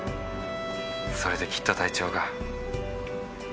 それできっと隊長が。